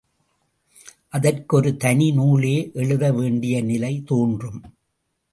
அதற்கு ஒரு தனி நூலே எழுத வேண்டிய நிலை தோன்றும்.